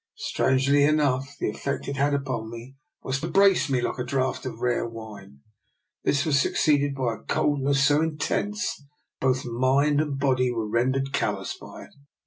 Strangely enough, the effect it had upon me was to brace me like a draught of rare wine. This was succeeded by a coldness so intense that both mind and body were ren dered callous by it.